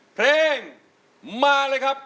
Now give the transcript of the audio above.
เพลงมาเลยครับ